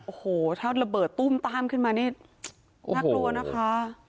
โอ้โหถ้าระเบิดตุ้มต้ามขึ้นมานี่น่ากลัวนะคะ